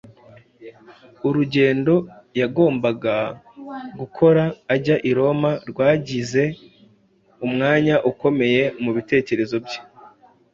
Urugendo yagombaga gukora ajya i Roma rwagize umwanya ukomeye mu bitekerezo bye.